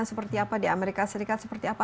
seperti apa di amerika serikat seperti apa